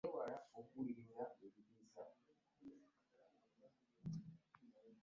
Mukazi wattu bwe yagamba ab'ewaabwe nti asigalengayoko ng'asoma bo ne bakomba kw'erima.